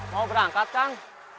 mau berangkat kang